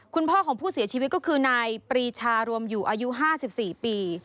คุณพ่อของผู้เสียชีวิตก็คือนายปรีชารวมอยู่อายุ๕๔ปี